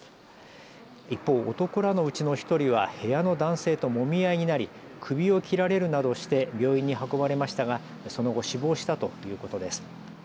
一方、男らのうちの１人は部屋の男性ともみ合いになり首を切られるなどして病院に運ばれましたがその後、死亡したということです。